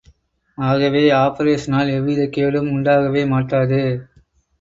ஆகவே, ஆப்பரேஷனால் எவ்விதக் கேடும் உண்டாகவே மாட்டாது.